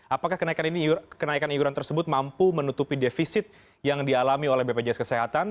apakah kenaikan iuran tersebut mampu menutupi defisit yang dialami oleh bpjs kesehatan